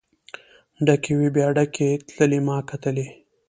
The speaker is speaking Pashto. ډکې وې بیا ډکې تللې ما کتلی.